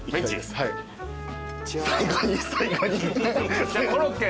最後に。